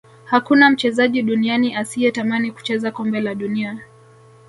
hakuna mchezaji duniani asiyetamani kucheza kombe la dunia